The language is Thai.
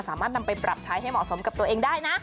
สามารถนำไปปรับใช้ให้เหมาะสมกับตัวเองได้นะ